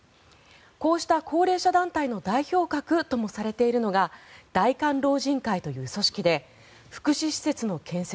こうした高齢者団体の代表格ともされているのが大韓老人会という組織で福祉施設の建設